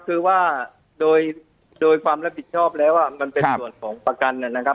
คือว่าโดยความรับผิดชอบแล้วมันเป็นส่วนของประกันนะครับ